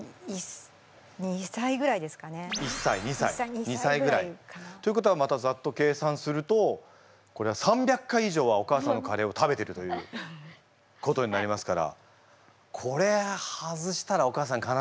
１歳２歳ぐらいかな。ということはまたざっと計算するとこれは３００回以上はお母さんのカレーを食べてるということになりますからこれ外したらお母さん悲しいよね。